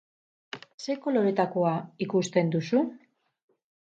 Ze koloretakoa ikusten duzu?